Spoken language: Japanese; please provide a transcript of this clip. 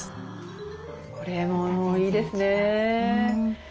これもいいですね。